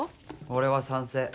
俺は賛成。